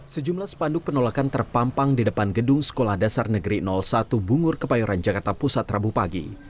sejumlah spanduk penolakan terpampang di depan gedung sekolah dasar negeri satu bungur kepayoran jakarta pusat rabu pagi